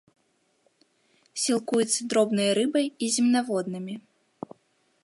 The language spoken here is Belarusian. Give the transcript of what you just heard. Сілкуецца дробнай рыбай і земнаводнымі.